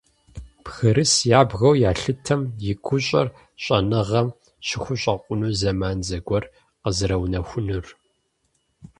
Бгырыс ябгэу ялъытэм и гущӏэр щӏэныгъэм щыхущӏэкъуну зэман зэгуэр къызэрыунэхунур.